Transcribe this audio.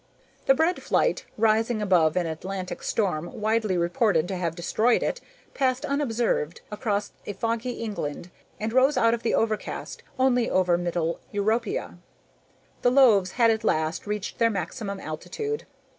The bread flight, rising above an Atlantic storm widely reported to have destroyed it, passed unobserved across a foggy England and rose out of the overcast only over Mittel europa. The loaves had at last reached their maximum altitude.